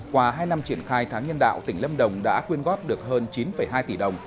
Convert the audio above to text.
qua hai năm triển khai tháng nhân đạo tỉnh lâm đồng đã quyên góp được hơn chín hai tỷ đồng